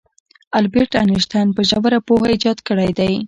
البرت انیشټین په ژوره پوهه ایجاد کړی دی.